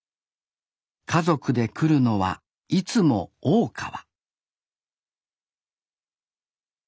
家族で来るのはいつも大川